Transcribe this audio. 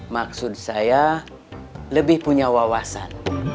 maksud saya lebih punya wawasan